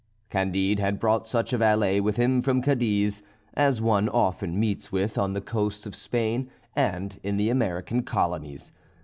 Candide had brought such a valet with him from Cadiz, as one often meets with on the coasts of Spain and in the American colonies.